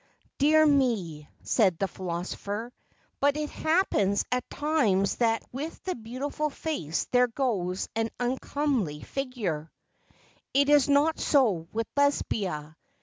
"Dear me," said the philosopher. "But it happens at times that with the beautiful face there goes an uncomely figure." "It is not so with Lesbia.